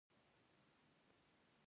آیا موږ خپل هوایي حریم کنټرولوو؟